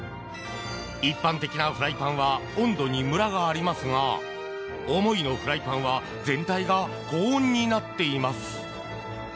一般的なフライパンは温度にムラがありますがおもいのフライパンは全体が高温になっています。